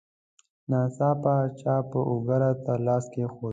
ناڅاپه چا په اوږه راته لاس کېښود.